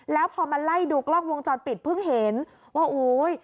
แล้วพอมาไล่ดูกล้องวงจรปิดเพิ่งเห็นว่าโอ้ย